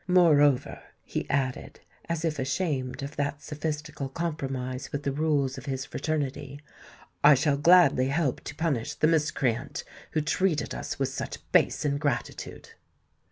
Moreover," he added, as if ashamed of that sophistical compromise with the rules of his fraternity, "I shall gladly help to punish the miscreant who treated us with such base ingratitude."